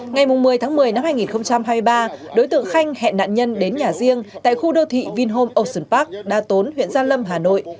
ngày một mươi tháng một mươi năm hai nghìn hai mươi ba đối tượng khanh hẹn nạn nhân đến nhà riêng tại khu đô thị vinhome ocean park đa tốn huyện gia lâm hà nội